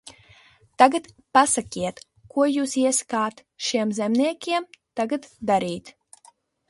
Tad pasakiet, ko jūs iesakāt šiem zemniekiem tagad darīt?